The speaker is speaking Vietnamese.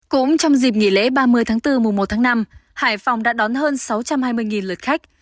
cũng trong dịp nghỉ lễ ba mươi tháng bốn mùa một tháng năm hải phòng đã đón hơn sáu trăm hai mươi lượt khách